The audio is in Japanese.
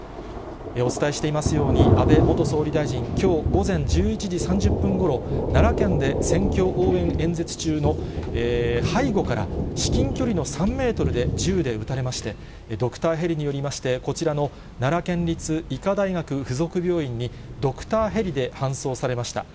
お伝えしていますように、安倍元総理大臣、きょう午前１１時３０分ごろ、奈良県で選挙応援演説中の背後から、至近距離の３メートルで銃で撃たれまして、ドクターヘリによりまして、こちらの奈良県立医科大学附属病院にドクターヘリで搬送されました。